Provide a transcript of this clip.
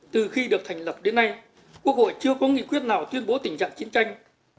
từ khi được thành lập đến nay quốc hội chưa có nghị quyết nào tuyên bố tình trạng chiến tranh